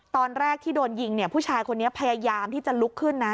ตอนแรกที่โดนยิงเนี่ยผู้ชายคนนี้พยายามที่จะลุกขึ้นนะ